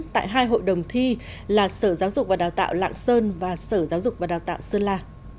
tại hai hội đồng thi là sở giáo dục và đào tạo lạng sơn và sở giáo dục và đào tạo sơn la